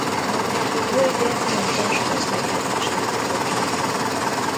Völgye fontos közlekedési útvonal.